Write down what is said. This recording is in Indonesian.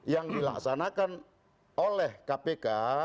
yang dilaksanakan oleh kpk